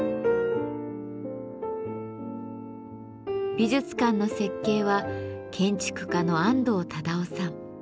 美術館の設計は建築家の安藤忠雄さん。